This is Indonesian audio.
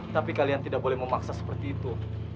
tapi kalian tidak boleh memaksa seperti itu